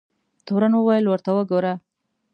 تورن وویل ورته وګوره.